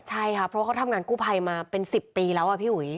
ใช่ค่ะเพราะว่าเขาทำงานกู้ภัยมาเป็น๑๐ปีแล้วอะพี่อุ๋ย